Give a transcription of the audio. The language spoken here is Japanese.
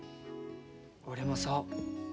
俺もそう。